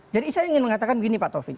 jadi saya ingin mengatakan begini pak taufik